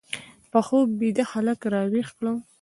په خوب بیده هلک راویښ کړ